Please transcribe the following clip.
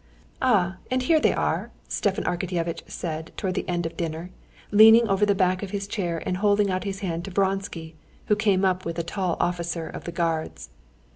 "Ah! and here they are!" Stepan Arkadyevitch said towards the end of dinner, leaning over the back of his chair and holding out his hand to Vronsky, who came up with a tall officer of the Guards.